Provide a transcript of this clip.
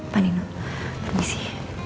pak nino permisi